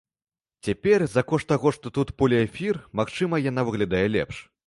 Цяпер, за кошт таго, што тут поліэфір, магчыма, яна выглядае лепш.